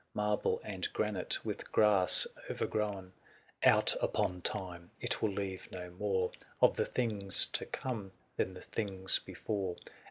Marble and granite, with grass o'ergrown ! Out upon Time ! it will leave no more Of the things to come than the things before